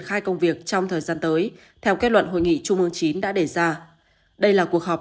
khai công việc trong thời gian tới theo kết luận hội nghị trung ương chín đã đề ra đây là cuộc họp